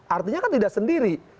artinya kan tidak sendiri